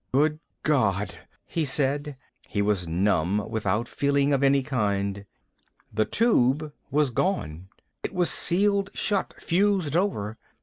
"Good God," he said. He was numb, without feeling of any kind. The Tube was gone. It was sealed shut, fused over.